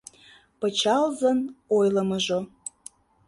Пычалзын ойлымыжо